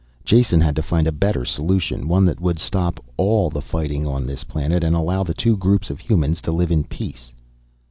Jason had to find a better solution. One that would stop all the fighting on this planet and allow the two groups of humans to live in peace.